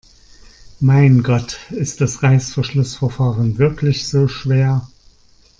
Mein Gott, ist das Reißverschlussverfahren wirklich so schwer?